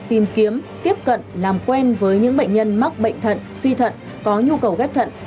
tìm kiếm tiếp cận làm quen với những bệnh nhân mắc bệnh thận suy thận có nhu cầu ghép thận